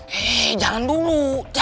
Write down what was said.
hei jangan dulu